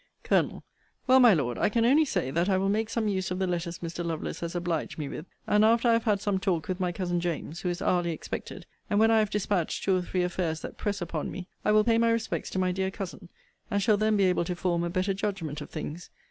Col. Well, my Lord, I can only say that I will make some use of the letters Mr. Lovelace has obliged me with: and after I have had some talk with my cousin James, who is hourly expected; and when I have dispatched two or three affairs that press upon me; I will pay my respects to my dear cousin; and shall then be able to form a better judgment of things.